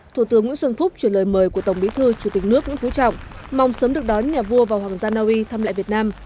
thủ tướng nguyễn xuân phúc chuyển lời mời của tổng bí thư chủ tịch nước nguyễn phú trọng mong sớm được đón nhà vua và hoàng gia naui thăm lại việt nam